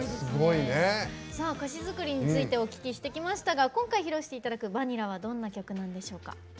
歌詞作りについてお聞きしてきましたが今回、披露していただく「バニラ」はどんな曲なんでしょうか？